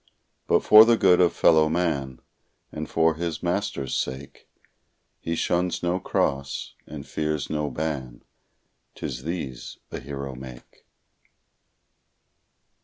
But for the good of fellow man, And for his Master's sake, He shuns no cross, and fears no ban; 'Tis these a hero make.